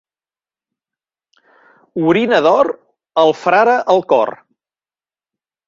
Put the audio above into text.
Orina d'or, el frare al cor.